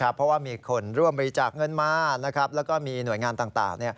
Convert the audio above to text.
เพราะว่ามีคนร่วมบริจาคเงินมาแล้วก็มีหน่วยงานต่าง